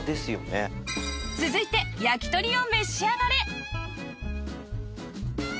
続いてやきとりを召し上がれ